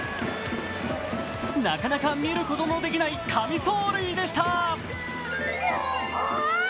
なかなか見ることのできない神走塁でした。